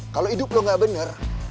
kalo hidup lo gak bener